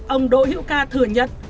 ông đỗ hiệu ca thừa nhận